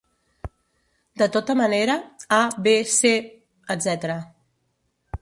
De tota manera "a, b, c," ..etc.